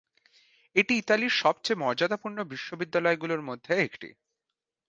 এটি ইতালির সবচেয়ে মর্যাদাপূর্ণ বিশ্ববিদ্যালয়গুলোর মধ্যে একটি।